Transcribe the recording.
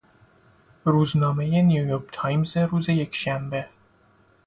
روزنامهی نیویورک تایمز روز یکشنبه